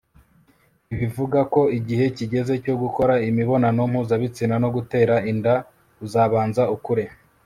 ntibivuga ko igihe kigeze cyo gukora imibonano mpuzabitsina no gutera inda. uzabanza ukure